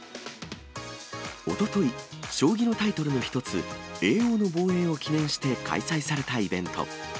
おととい、将棋のタイトルの一つ、叡王の防衛を記念して開催されたイベント。